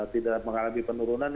tidak mengalami penurunan